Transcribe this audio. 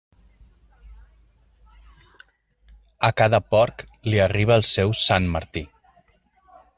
A cada porc li arriba el seu Sant Martí.